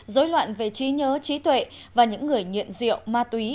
dối loạn về trí nhớ trí tuệ và những người nghiện rượu ma túy